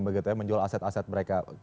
begitu ya menjual aset aset mereka